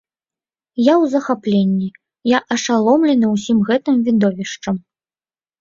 Я ў захапленні, я ашаломлены ўсім гэтым відовішчам.